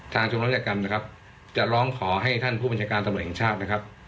ทางชมรำเงี่ยกรรมจะร้องขอให้ท่านผู้บัญชาการตำรวจหญิงชาติ